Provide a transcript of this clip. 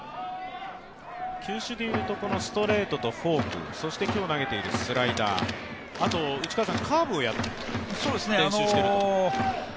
球種でいうとストレートとフォーク、そして今日投げているスライダー、あとはカーブを練習していると。